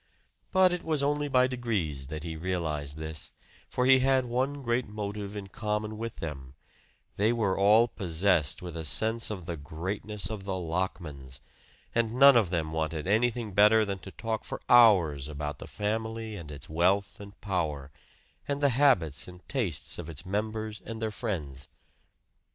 But it was only by degrees that he realized this, for he had one great motive in common with them they were all possessed with a sense of the greatness of the Lockmans, and none of them wanted anything better than to talk for hours about the family and its wealth and power, and the habits and tastes of its members and their friends.